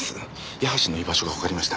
矢橋の居場所がわかりました。